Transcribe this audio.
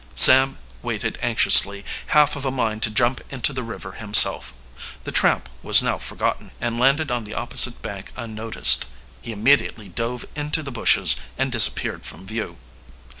Sam waited anxiously, half of a mind to jump into the river himself. The tramp was now forgotten, and landed on the opposite bank unnoticed. He immediately dove into the bushes, and disappeared from view.